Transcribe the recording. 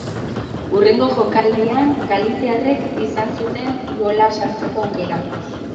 Hurrengo jokaldian galiziarrek izan zuten gola sartzeko aukera.